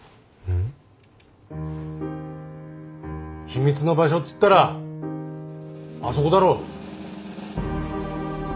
秘密の場所っつったらあそこだろ。